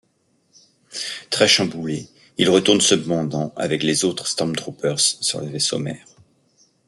Très chamboulé, il retourne cependant avec les autres Stormtroopers sur le vaisseau-mère.